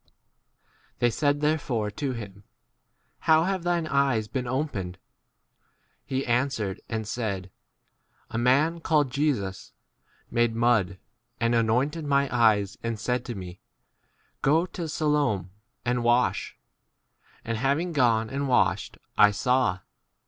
* They said therefore to him, How d have thine eyes been 11 opened ? He c answered and said, A man called Jesus made mud and anointed my eyes, and said to me, Go to e Siloam and wash: and having gone and washed, I saw.